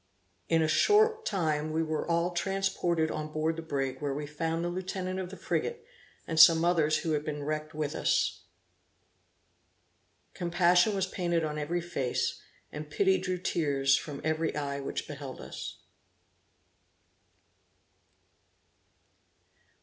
In a short time we were all transported on board the brig, where we found the lieutenant of the frigate, and some others who had been wrecked with us. Compassion was painted on every face, and pity drew tears from every eye which beheld us.